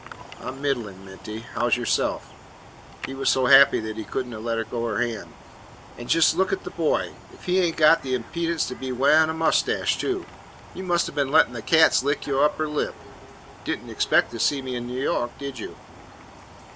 "I 'm middlin', Minty. How 's yourself?" He was so happy that he could n't let go her hand. "An' jes' look at the boy! Ef he ain't got the impidence to be waihin' a mustache too. You must 'a' been lettin' the cats lick yo' upper lip. Did n't expect to see me in New York, did you?"